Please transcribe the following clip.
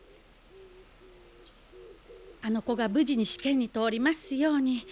あの子が無事に試験に通りますように。